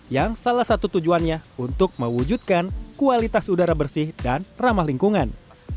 yang salah satu tujuannya untuk mewujudkan kualitas udara bersih dan ramah lingkungan